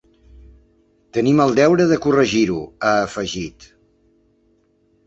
Tenim el deure de corregir-ho, ha afegit.